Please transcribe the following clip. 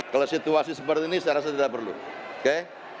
kalau situasi seperti ini saya rasa tidak perlu oke